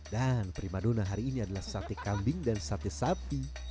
dan primadona hari ini adalah sate kambing dan sate sapi